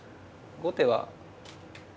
後手は。